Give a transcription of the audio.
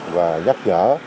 và nhắc nhở